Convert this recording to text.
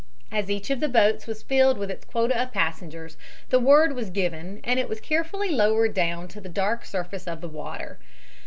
As each of the boats was filled with its quota of passengers the word was given and it was carefully lowered down to the dark surface of the water.